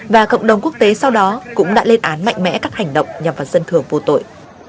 và cộng đồng quốc tế sau đó cũng đã lên án mạnh mẽ các hành động nhằm vào dân thường vô tội